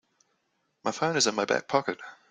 My phone is in my back pocket.